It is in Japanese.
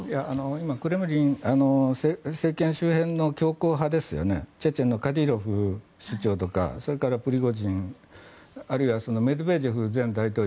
今、クレムリン政権周辺の強硬派ですねチェチェンのカディロフ首長とかそれからプリゴジンあるいはメドベージェフ前大統領